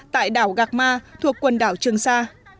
tại đảo gạc ma thuộc quần đảo trường sa